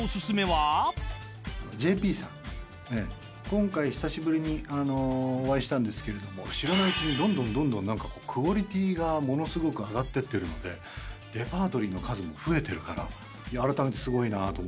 今回久しぶりにお会いしたんですけれども知らないうちにどんどんどんどんクオリティーがものすごく上がってってるのでレパートリーの数も増えてるから。